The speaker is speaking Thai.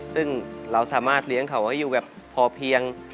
ซึ่งเราสามารถเลี้ยงเขาให้อยู่แบบพอเพียง